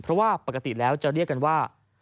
เพราะว่าปกติแล้วจะเรียกกันว่า